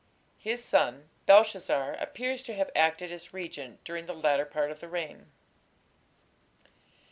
His son Belshazzar appears to have acted as regent during the latter part of the reign.